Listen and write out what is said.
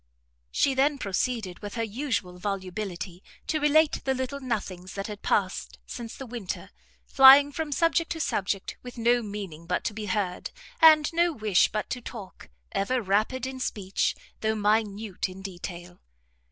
She then proceeded, with her usual volubility, to relate the little nothings that had passed since the winter, flying from subject to subject, with no meaning but to be heard, and no wish but to talk, ever rapid in speech, though minute in detail.